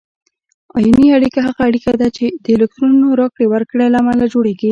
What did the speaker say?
آیوني اړیکه هغه اړیکه ده چې د الکترونونو راکړې ورکړې له امله جوړیږي.